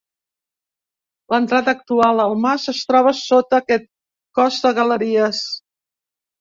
L'entrada actual al mas es troba sota aquest cos de galeries.